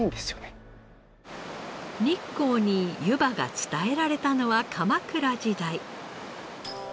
日光にゆばが伝えられたのは鎌倉時代。